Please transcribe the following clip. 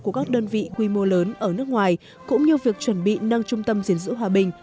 của các đơn vị quy mô lớn ở nước ngoài cũng như việc chuẩn bị nâng trung tâm diện giữ hòa bình